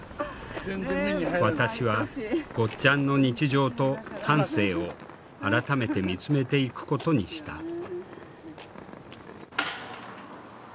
私はゴッちゃんの日常と半生を改めて見つめていくことにした。